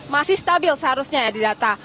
masih stabil seharusnya ya di data